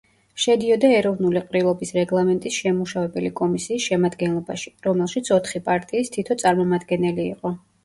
შედიოდა ეროვნული ყრილობის რეგლამენტის შემმუშავებელი კომისიის შემადგენლობაში, რომელშიც ოთხი პარტიის თითო წარმომადგენელი იყო.